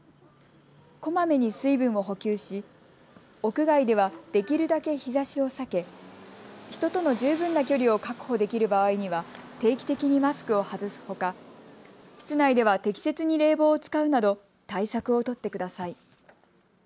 こまめに水分を補給し、屋外では、できるだけ日ざしを避け人との十分な距離を確保できる場合には定期的にマスクを外すほか、室内では適切に冷房を使うなど対策を取ってください。